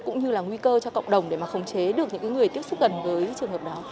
cũng như là nguy cơ cho cộng đồng để mà khống chế được những người tiếp xúc gần với trường hợp đó